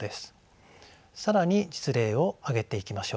更に実例を挙げていきましょう。